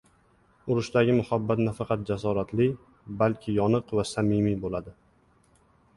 Urushdagi muhabbat nafaqat jasoratli, balki yoniq va samimiy bo‘ladi.